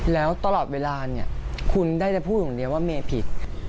แล้วตลอดเวลาเนี่ยคุณได้แต่พูดอย่างเดียวว่าเมย์ผิด